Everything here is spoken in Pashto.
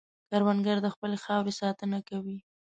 کروندګر د خپلې خاورې ساتنه کوي